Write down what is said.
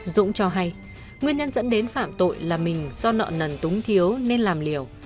dũng cho hay nguyên nhân dẫn đến phạm tội là mình do nợ nần túng thiếu nên làm liều